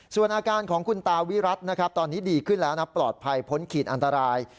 ส่วนอาการของคุณตาวิรัตินะครับตอนนี้ดีขึ้นแล้วนะปลอดภัยพ้นขีดอันตราย